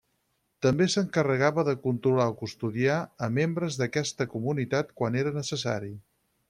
També s'encarregava de controlar o custodiar a membres d'aquesta comunitat quan era necessari.